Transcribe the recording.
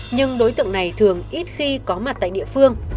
nhưng đối tượng này thường ít khi có mặt tại địa phương